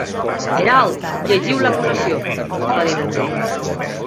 "Herald, llegiu l'acusació!" va dir el rei.